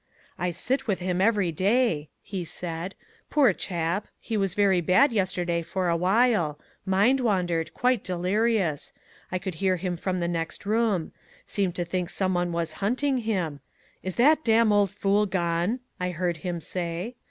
"I sit with him every day," he said. "Poor chap, he was very bad yesterday for a while, mind wandered quite delirious I could hear him from the next room seemed to think some one was hunting him 'Is that damn old fool gone,' I heard him say.